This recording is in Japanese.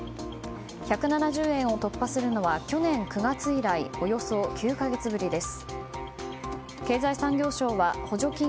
１７０円を突破するのは去年９月以来およそ９か月ぶりです。